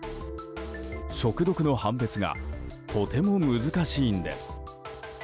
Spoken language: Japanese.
食毒の判別がとても難しいんです。